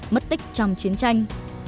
mất tích trong chiến tranh